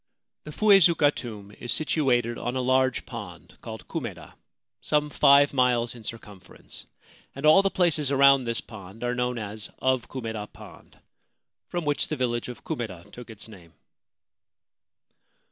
The Fuezuka tomb is situated on a large pond called Kumeda, some five miles in circumference, and all the places around this pond are known as of Kumeda Pond, from which the village of Kumeda took its name.